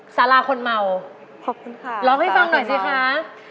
ฟังหน่อยสิคะ